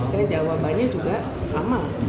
dan jawabannya juga aman